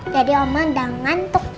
jadi oma udah ngantuk